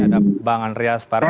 ada bang andreas parah